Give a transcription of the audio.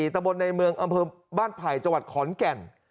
ตะบนในเมืองอำเภอบ้านไผ่จังหวัดขอนแก่น